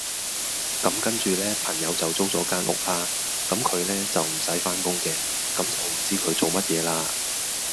咁跟住呢，朋友就租咗間屋啦，咁佢呢，就唔使返工嘅，咁就唔知佢做乜嘢啦